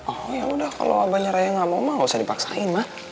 oh yaudah kalau abangnya raya gak mau gak usah dipaksain ma